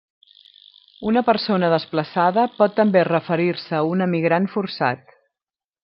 Una persona desplaçada pot també referir-se a un emigrant forçat.